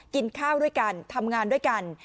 กินข้าวด้วยกันทำงานด้วยกัน